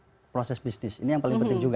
di bidang proses bisnis ini yang paling penting juga